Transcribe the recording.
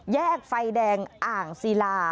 แยกไฟแดงอ่างศิลา